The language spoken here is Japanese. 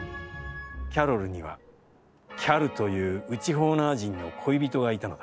キャロルにはキャルという、内ホーナー人の恋人がいたのだ。